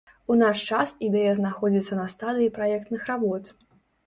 У наш час ідэя знаходзіцца на стадыі праектных работ.